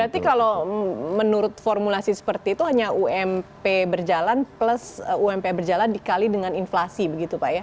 berarti kalau menurut formulasi seperti itu hanya ump berjalan plus ump berjalan dikali dengan inflasi begitu pak ya